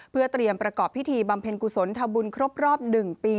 เพื่อเตรียมประกอบพิธีบำเพ็ญกุศลทำบุญครบรอบ๑ปี